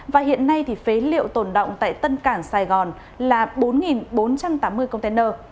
và hiện nay phế liệu tồn động tại tân cảng sài gòn là bốn bốn trăm tám mươi container